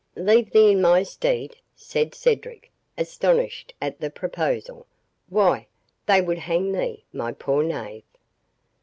"Leave thee in my stead!" said Cedric, astonished at the proposal; "why, they would hang thee, my poor knave."